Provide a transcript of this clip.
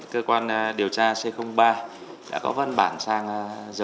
cơ quan điều tra c ba đã có văn bản sang